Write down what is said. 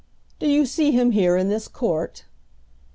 "Do you see him here in this court?"